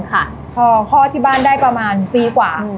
พอคลอดที่บ้านได้ประมาณปีกว่า